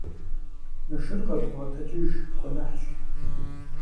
Мы шыр къэдвгъэгъэтэджыж, гуэныхьщ.